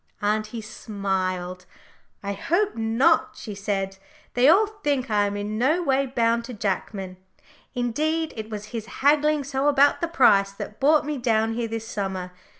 Auntie smiled. "I hope not," she said. "They all think I am in no way bound to Jackman. Indeed, it was his haggling so about the price that brought me down here this summer.